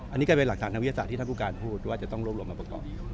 อันนี้ก็เป็นหลักฐานทางวิทยาศาสตร์ที่ท่านผู้การพูดว่าจะต้องรวบรวมมาประกอบอยู่